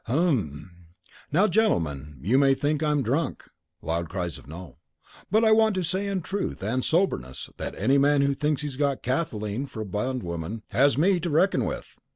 Hem. Now gentlemen, you may think I'm drunk (loud cries of No!) but I want to say in truth and soberness that any man who thinks he's got Kathleen for bondwoman hem has me to reckon with!"